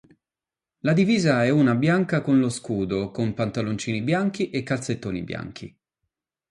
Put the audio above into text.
La divisa è una bianca con lo scudo, con pantaloncini bianchi e calzettoni bianchi.